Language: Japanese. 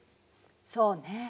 そうね。